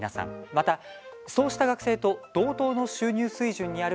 また、そうした学生と同等の収入水準にある学生の皆さんです。